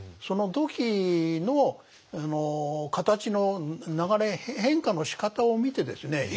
その土器の形の流れ変化のしかたを見てですね